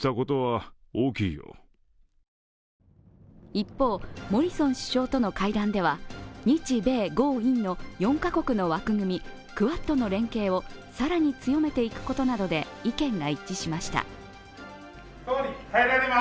一方、モリソン首相との会談では日米豪印の４カ国の枠組みクアッドの連携を更に強めていくことなどで意見が一致しました。